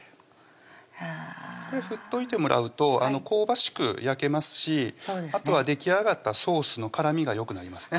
これ振っといてもらうと香ばしく焼けますしあとはできあがったソースの絡みがよくなりますね